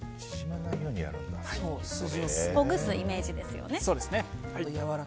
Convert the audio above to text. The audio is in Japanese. ほぐすイメージですよね。